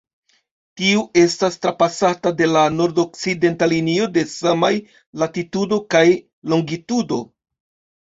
Tiu estas trapasata de la nordokcidenta linio de samaj latitudo kaj longitudo.